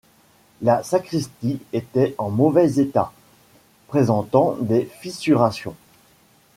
La sacristie était en mauvais état, présentant des fissurations.